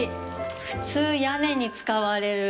普通、屋根に使われる。